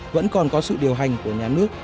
vẫn còn có sự điều hành của nhà nước